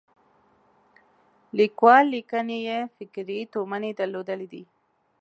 لیکوال لیکنې یې فکري تومنې درلودلې دي.